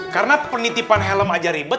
karena penitipan helm aja ribet